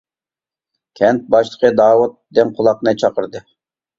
كەنت باشلىقى داۋۇت دىڭ قۇلاقنى چاقىردى.